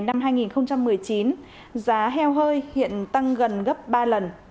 năm hai nghìn một mươi chín giá heo hơi hiện tăng gần gấp ba lần